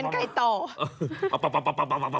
นี่ฉันอยากเป็นไก่ต่อ